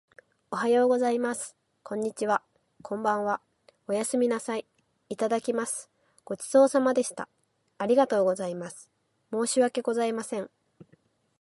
おはようございます。こんにちは。こんばんは。おやすみなさい。いただきます。ごちそうさまでした。ありがとうございます。申し訳ございません。